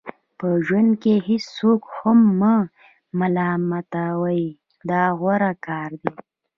په ژوند کې هیڅوک هم مه ملامتوئ دا غوره کار دی.